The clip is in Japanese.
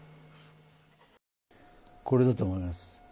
これだと思います。